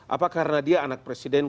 apa karena dia anak presiden